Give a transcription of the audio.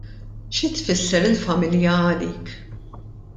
Xi tfisser il-familja għalik?